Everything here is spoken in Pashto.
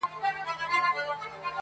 یوه لمسي ورڅخه وپوښتل چي ګرانه بابا.!